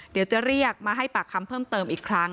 เดี๋ยวจะเรียกมาให้ปากคำเพิ่มเติมอีกครั้ง